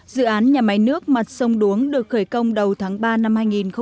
dự án nhà máy nước mặt sông đuống được khởi công đầu tháng ba năm hai nghìn một mươi chín